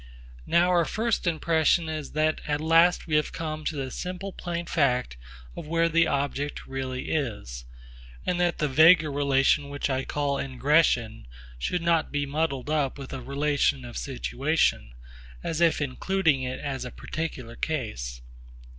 Now our first impression is that at last we have come to the simple plain fact of where the object really is; and that the vaguer relation which I call ingression should not be muddled up with the relation of situation, as if including it as a particular case.